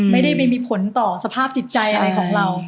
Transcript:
ไม่ได้มีผลต่อสภาพจิตใจของเรา